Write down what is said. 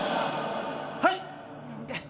はい！